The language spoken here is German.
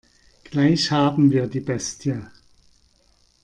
Gleich haben wir die Bestie.